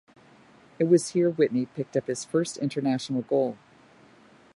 It was here Whitney picked up his first international goal.